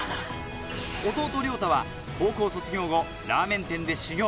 弟涼雄は高校卒業後ラーメン店で修業